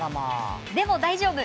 でも大丈夫。